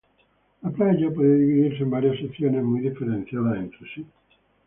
La playa puede dividirse en varias secciones muy diferenciadas entre sí.